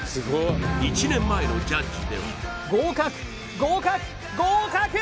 １年前のジャッジでは合格合格合格！